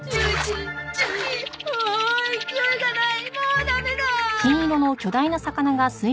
ああ勢いがないもうダメだ！